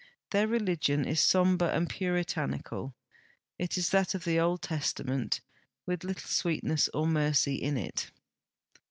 Their religion is somber and puritanical ; it is that of the Old Testament, with little sweetness or mercy in it.